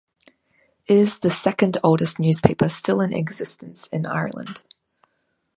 It is the second oldest newspaper still in existence in Ireland.